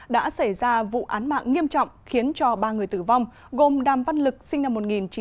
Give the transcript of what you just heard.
đã xảy ra vụ án mạng nghiêm trọng khiến cho ba người tử vong gồm đàm văn lực sinh năm một nghìn chín trăm tám mươi